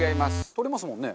取れますもんね。